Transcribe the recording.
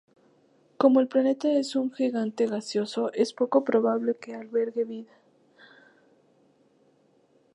Como el planeta es un gigante gaseoso, es poco probable que albergue vida.